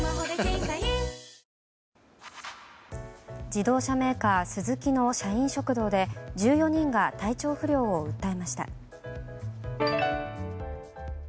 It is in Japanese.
自動車メーカー、スズキの社員食堂で１４人が体調不良を訴えました。